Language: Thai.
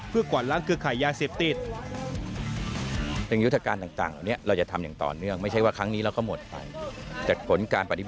เพื่อกวาดล้างเครือขายยาเสพติด